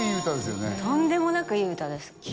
とんでもなくいい歌です